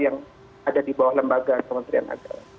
yang ada di bawah lembaga kementerian agama